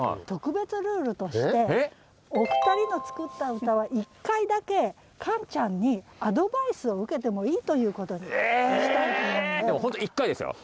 特別ルールとしてお二人の作った歌は１回だけカンちゃんにアドバイスを受けてもいいということにしたいと思います。